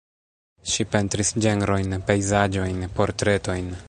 Ŝi pentris ĝenrojn, pejzaĝojn, portretojn.